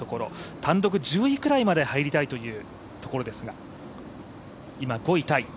単独１０位くらいまで入りたいところですが今、５位タイ。